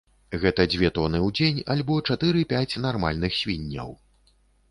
Гэта дзве тоны ў дзень, альбо чатыры-пяць нармальных свінняў.